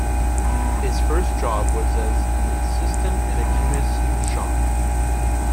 His first job was as an assistant in a chemist's shop.